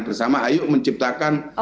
bersama ayo menciptakan